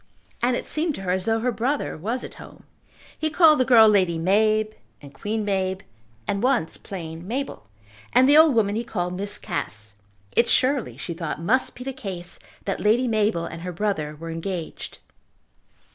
And it seemed to her as though her brother was at home. He called the girl Lady Mab, and Queen Mab, and once plain Mabel, and the old woman he called Miss Cass. It surely, she thought, must be the case that Lady Mabel and her brother were engaged.